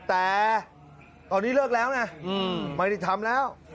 แต่ตอนนี้เลิกแล้วนะไม่ได้ทำแล้ว